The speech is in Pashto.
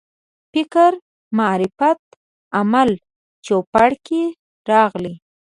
فکر معرفت عامل چوپړ کې راغلي.